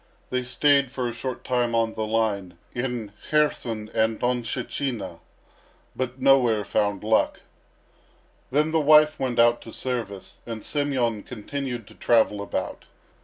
They stayed for a short time on the line, in Kherson and Donshchina, but nowhere found luck. Then the wife went out to service, and Semyon continued to travel about.